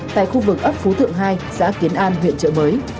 tại khu vực ấp phú thượng hai xã kiến an huyện trợ mới